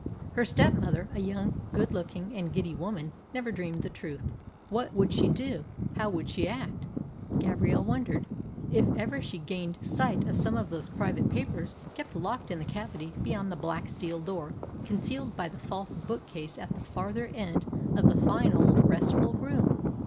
Her stepmother, a young, good looking, and giddy woman, never dreamed the truth. What would she do, how would she act, Gabrielle wondered, if ever she gained sight of some of those private papers kept locked in the cavity beyond the black steel door concealed by the false bookcase at the farther end of the fine old restful room?